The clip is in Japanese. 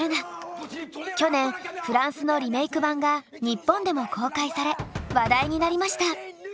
去年フランスのリメーク版が日本でも公開され話題になりました。